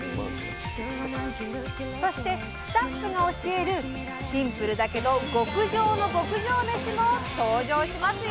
そしてスタッフが教えるシンプルだけど極上の牧場メシも登場しますよ！